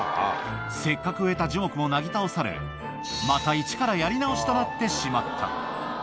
せっかく植えた樹木もなぎ倒され、また、一からやり直しとなってしまった。